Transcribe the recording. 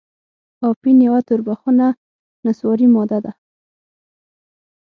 اپین یوه توربخنه نسواري ماده ده.